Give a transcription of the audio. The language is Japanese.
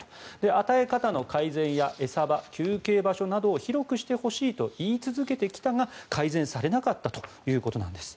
与え方の改善や餌場休憩場所などを広くしてほしいと言い続けてきたが改善されなかったということなんです。